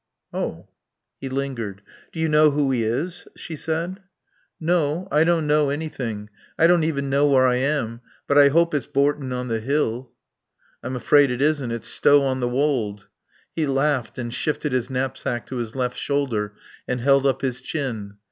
"Oh." He lingered. "Do you know who he is?" she said. "No. I don't know anything. I don't even know where I am. But I hope it's Bourton on the Hill." "I'm afraid it isn't. It's Stow on the Wold." He laughed and shifted his knapsack to his left shoulder, and held up his chin.